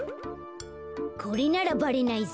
これならばれないぞ。